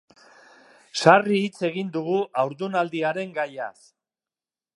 Sarri hitz egin dugu haurdunaldian gaiaz.